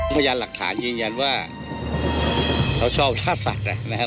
พยานหลักฐานยืนยันว่าเขาชอบล่าสัตว์นะครับ